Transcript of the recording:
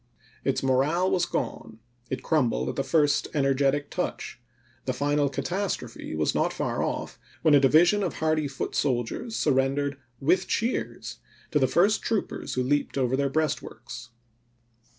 Its morale was gone ; it crumbled at the first energetic touch ; the final catastrophe was not far off when a division of hardy foot soldiers sur rendered " with cheers " to the first troopers who leaped over their breastworks.